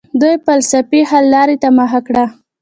دوی فلسفي حل لارې ته مخه کړه.